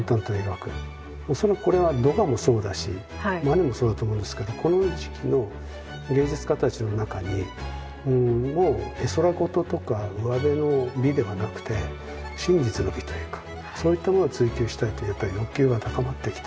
恐らくこれはドガもそうだしマネもそうだと思うんですけどこの時期の芸術家たちの中にもう絵空事とかうわべの美ではなくて真実の美というかそういったものを追求したいという欲求が高まってきて。